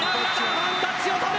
ワンタッチを取る。